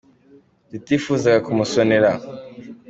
zitifuzaga kumusonera